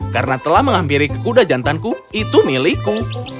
karena telah menghampiri ke kuda jantanku itu milikku